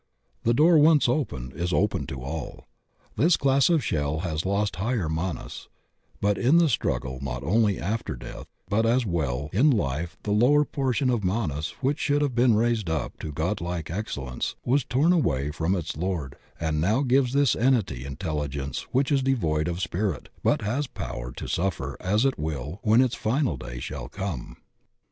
The door once open, it is open to all. This class of shell has lost higher manas, but in the struggle not only after death but as well in life the lower portion of manas which should have been raised up to godlike excellence was torn away from its lord and now gives this entity intelligence which is devoid of spirit but has power to suffer as it will when its final day shall come.